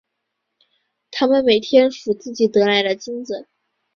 他们每天数自己得来的金子。